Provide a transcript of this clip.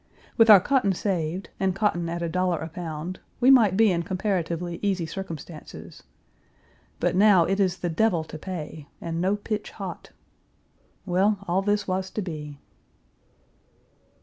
With our cotton saved, and cotton at a dollar a pound, we might be in comparatively easy circumstances. But now it is the devil to pay, and no pitch hot. Well, all this was to be.